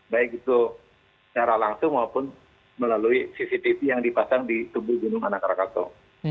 baik itu secara langsung maupun melalui cctv yang dipasang di tubuh gunung anak rakatau